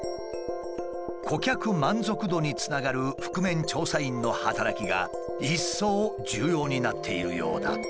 顧客満足度につながる覆面調査員の働きが一層重要になっているようだ。